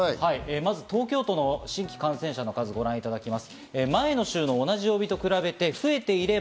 まず東京都の新規感染者の数をご覧いただきます。